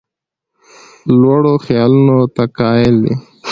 لوړو خیالونو ته قایل دی.